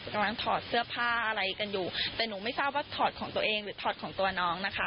กำลังถอดเสื้อผ้าอะไรกันอยู่แต่หนูไม่ทราบว่าถอดของตัวเองหรือถอดของตัวน้องนะคะ